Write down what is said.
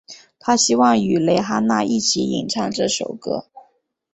她希望与蕾哈娜一起演唱这首歌。